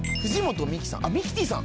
ミキティさん。